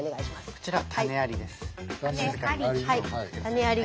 こちら種ありです。